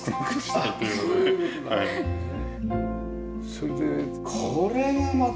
それでこれがまた。